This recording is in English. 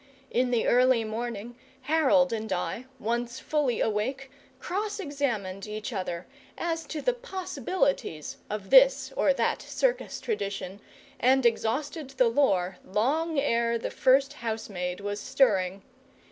In the early morning Harold and I, once fully awake, cross examined each other as to the possibilities of this or that circus tradition, and exhausted the lore long ere the first housemaid was stirring.